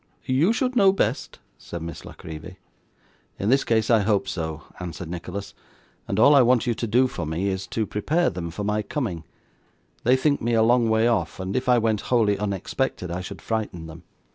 'You should know best,' said Miss La Creevy. 'In this case I hope so,' answered Nicholas. 'And all I want you to do for me, is, to prepare them for my coming. They think me a long way off, and if I went wholly unexpected, I should frighten them.